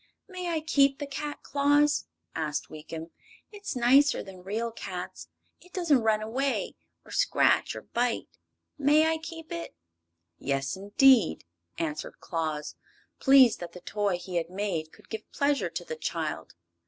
"May I keep the cat, Claus?" asked Weekum. "It's nicer than real cats. It doesn't run away, or scratch or bite. May I keep it?" "Yes, indeed," answered Claus, pleased that the toy he had made could give pleasure to the child.